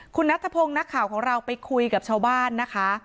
คุณนัทพงศ์นักข่าวของเราไปคุยกับชาวบ้านนะคะ